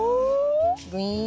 グイーン。